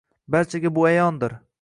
Barchaga bu ayondir.